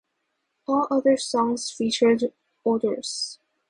All other songs featured Oderus.